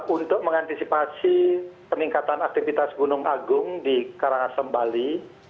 untuk mengantisipasi peningkatan aktivitas gunung agung di karangasem bali